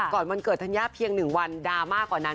ก่อนวันเกิดธัญญาเพียงหนึ่งวันดราม่าก่อนนั้น